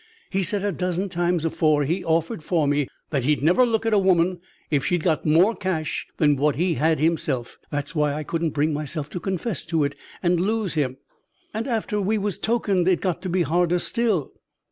"He said a dozen times afore he offered for me, that he'd never look at a woman if she'd got more cash than what he had himself. That's why I couldn't bring myself to confess to it and lose him. And, after we was tokened, it got to be harder still."